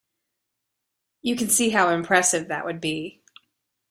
You can see how impressive that would be.